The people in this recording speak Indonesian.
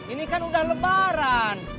ini kan udah lebaran